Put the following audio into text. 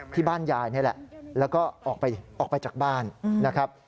ที่บ้านยายนี่แหละแล้วก็ออกไปจากบ้านนะครับ